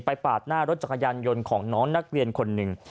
ปาดหน้ารถจักรยานยนต์ของน้องนักเรียนคนหนึ่ง